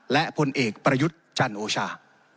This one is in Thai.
และพลเอกประยุทธ์จันโอชา